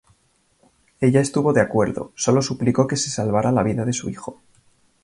Ella estuvo de acuerdo, solo suplicó que se salvara la vida de su hijo.